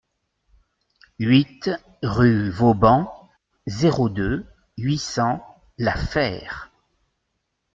huit rue Vauban, zéro deux, huit cents, La Fère